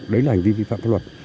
đấy là hành vi vi phạm pháp luật